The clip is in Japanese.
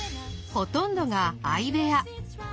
ほとんどが相部屋。